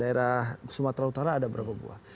daerah sumatera utara ada berapa buah